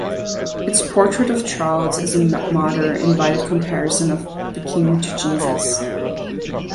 Its portrait of Charles as a martyr invited comparison of the King to Jesus.